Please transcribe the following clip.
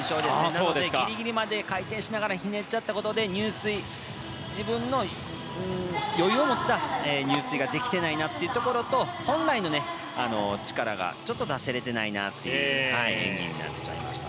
なのでギリギリまで回転しながらひねっちゃったことで自分の余裕を持った入水ができていないなというところと本来の力が出せていないなという演技でした。